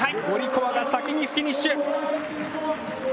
ゴリコワが先にフィニッシュ。